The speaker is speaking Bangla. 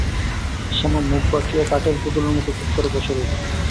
শ্যামা মুখ বাঁকিয়ে কাঠের পুতুলের মতো চুপ করে বসে রইল।